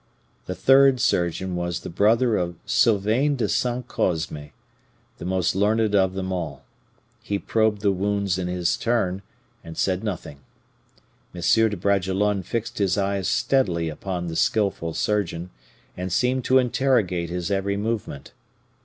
The third surgeon was the brother of Sylvain de Saint Cosme, the most learned of them all. He probed the wounds in his turn, and said nothing. M. de Bragelonne fixed his eyes steadily upon the skillful surgeon, and seemed to interrogate his every movement.